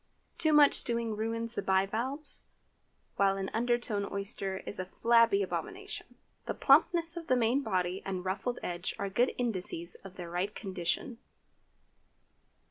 Too much stewing ruins the bivalves, while an underdone oyster is a flabby abomination. The plumpness of the main body and ruffled edge are good indices of their right condition.